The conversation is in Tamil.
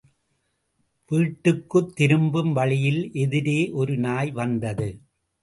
வீட்டுக்குத் திரும்பும் வழியில் எதிரே ஒரு நாய் வந்தது.